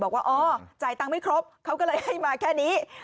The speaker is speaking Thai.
บอกว่าอ๋อจ่ายตังค์ไม่ครบเขาก็เลยให้มาแค่นี้